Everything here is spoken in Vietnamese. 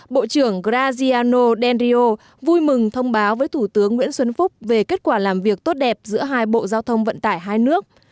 bộ trưởng graziano denrio vui mừng thông báo với thủ tướng nguyễn xuân phúc về kết quả làm việc tốt đẹp giữa hai bộ giao thông vận tải hai nước